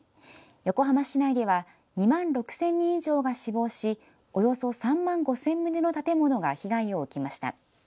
横浜市内では２万６０００人以上が死亡しおよそ３万５０００棟の建物が被害を受けました。